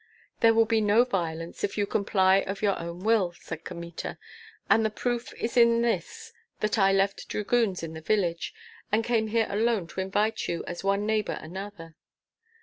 "There will be no violence if you comply of your own will," said Kmita; "and the proof is in this that I left dragoons in the village, and came here alone to invite you as one neighbor another.